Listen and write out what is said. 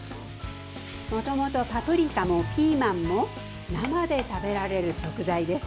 もともとパプリカもピーマンも生で食べられる食材です。